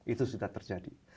itu sudah terjadi